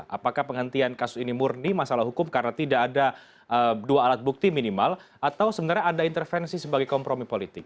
apakah penghentian kasus ini murni masalah hukum karena tidak ada dua alat bukti minimal atau sebenarnya ada intervensi sebagai kompromi politik